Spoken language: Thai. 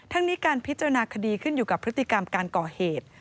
ทั้งนี้การพิจารณาคดีขึ้นอยู่กับพฤติกรรมการก่อเหตุ